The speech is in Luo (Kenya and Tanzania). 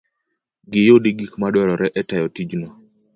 giyudi gik madwarore e tayo tijno.